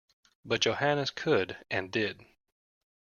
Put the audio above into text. But Johannes could, and did.